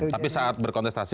tapi saat berkontestasi